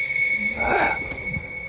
ああ。